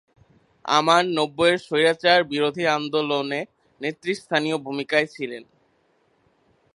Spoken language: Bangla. আমান নব্বইয়ের স্বৈরাচার বিরোধী আন্দোলনে নেতৃস্থানীয় ভূমিকায় ছিলেন।